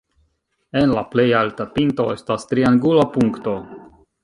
En la plej alta pinto estas triangula punkto.